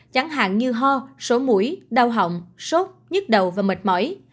chẳng hạn như ho sổ mũi đau hỏng sốt nhức đầu và mệt mỏi